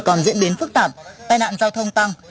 còn diễn biến phức tạp tai nạn giao thông tăng